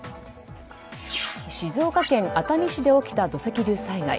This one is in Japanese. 静岡県熱海市で起きた土石流災害。